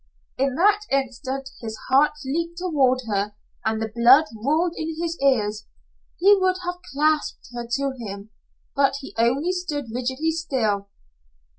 In that instant his heart leaped toward her and the blood roared in his ears. He would have clasped her to him, but he only stood rigidly still.